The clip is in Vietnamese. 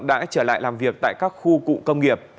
đã trở lại làm việc tại các khu cụ công nghiệp